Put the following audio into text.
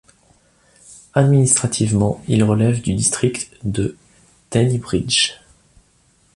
Administrativement, il relève du district de Teignbridge.